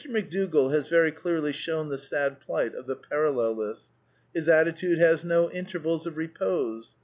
McDougall has very clearly shown the sad plight of the Parallelist. His attitude has no intervals of re pose.